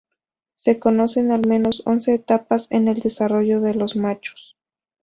Se conocen al menos once etapas en el desarrollo de los machos.